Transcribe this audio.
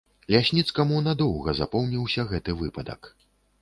Лясніцкаму надоўга запомніўся гэты выпадак.